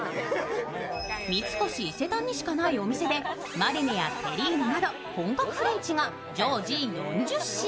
三越伊勢丹にしかないお店でマリネやテリーヌなど本格フレンチが常時４０品。